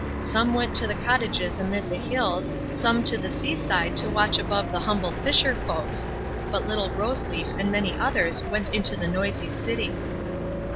Some went to the cottages amid the hills, some to the sea side to watch above the humble fisher folks; but little Rose Leaf and many others went into the noisy city.